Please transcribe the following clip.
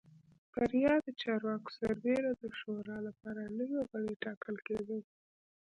پر یادو چارواکو سربېره د شورا لپاره نوي غړي ټاکل کېدل